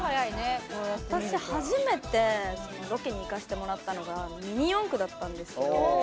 私、初めてロケに行かせてもらったのがミニ四駆だったんですけど。